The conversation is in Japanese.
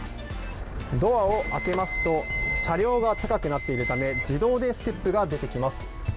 ドアを開けますと、車両が高くなっているため、自動でステップが出てきます。